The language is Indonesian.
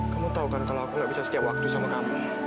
kamu tau kan kalau aku gak bisa setiap waktu sama kamu